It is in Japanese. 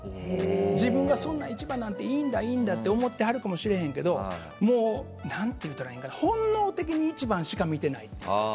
自分は、そんな１番なんていいんだ、いいんだって思ってはるかもしれないけどもう、本能的に一番しか見てない。